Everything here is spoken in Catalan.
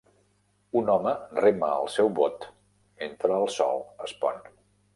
Un home rema al seu bot mentre el Sol es pon.